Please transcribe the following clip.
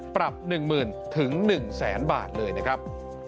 ปรับ๑๐๐๐๑๐๐๐บาทเลยนะครับ